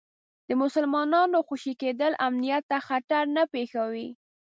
د مسلمانانو خوشي کېدل امنیت ته خطر نه پېښوي.